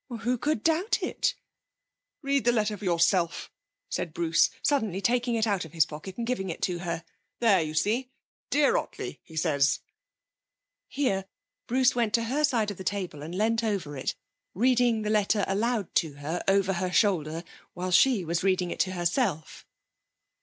'Who could doubt it?' 'Read the letter for yourself,' said Bruce, suddenly taking it out of his pocket and giving it to her. 'There, you see. "Dear Ottley," he says.' Here Bruce went to her side of the table and leant over her, reading the letter aloud to her over her shoulder, while she was reading it to herself.